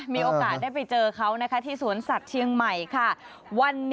มีโอกาสได้ไปเจอเขานะคะที่สวนสัตว์เชียงใหม่ค่ะ